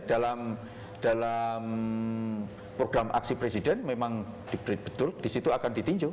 dalam program aksi presiden memang betul disitu akan ditinjau